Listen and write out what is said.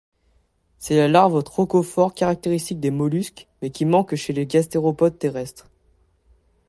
C'est la larve trochophore caractéristique des mollusques, mais qui manque chez les gastéropodes terrestres.